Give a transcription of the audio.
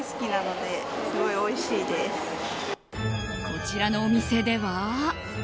こちらのお店では。